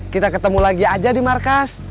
kita ketemu lagi aja di markas